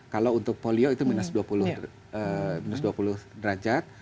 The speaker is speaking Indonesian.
kalau untuk polio itu minus dua puluh derajat